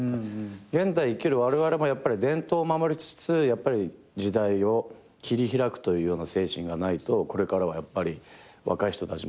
現代生きるわれわれもやっぱり伝統を守りつつやっぱり時代を切り開くというような精神がないとこれからはやっぱり若い人たちもそうだし。